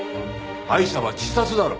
アイシャは自殺だろう。